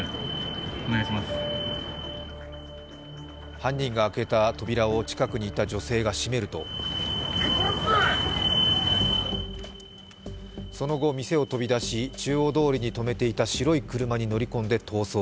犯人が開けた扉を近くにいた女性が閉めるとその後、店を飛び出し中央通りにとめていた白い車に乗り込んで逃走。